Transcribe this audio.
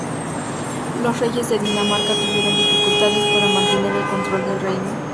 Los reyes de Dinamarca tuvieron dificultades para mantener el control del reino.